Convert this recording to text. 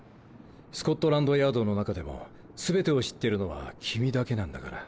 スコットランドヤードの中でも全てを知ってるのは君だけなんだから。